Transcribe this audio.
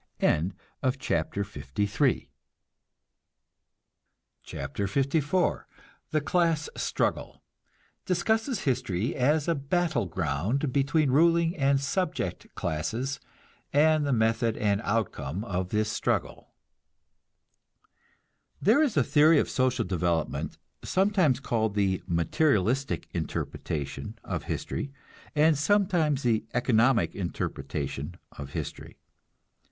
CHAPTER LIV THE CLASS STRUGGLE (Discusses history as a battle ground between ruling and subject classes, and the method and outcome of this struggle.) There is a theory of social development, sometimes called the materialistic interpretation of history, and sometimes the economic interpretation of history.